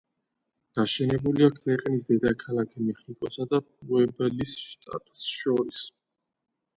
გაშენებულია ქვეყნის დედაქალაქ მეხიკოსა და პუებლის შტატს შორის.